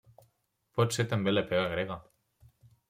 Pot ser també la pega grega.